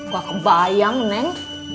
gua kebayang neng